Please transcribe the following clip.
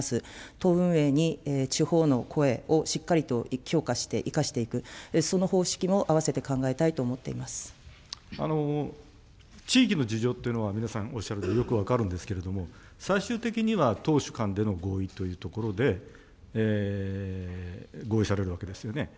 党運営に地方の声をしっかりと評価して生かしていく、その方式も地域の事情っていうのは、皆さん、おっしゃるのよく分かるんですけれども、最終的には党首間での合意というところで、合意されるわけですよね。